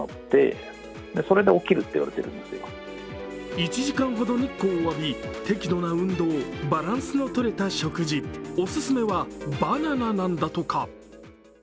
１時間ほど日光を浴び、適度な運動、バランスのとれた食事、お勧めはバナナなんだとか。